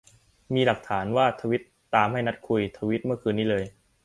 มีหลักฐานว่าทวีตตามให้นัดคุย ทวีตเมื่อคืนนี้เลย